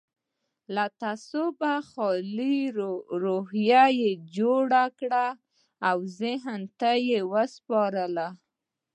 له تعصبه خالي روحيه جوړه کړئ او ذهن ته يې وسپارئ.